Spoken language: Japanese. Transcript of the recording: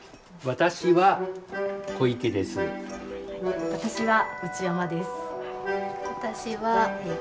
私は小池です。